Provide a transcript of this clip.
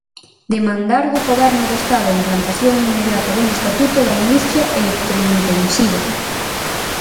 Demandar do goberno do Estado a implantación inmediata dun estatuto da industria electrointensiva.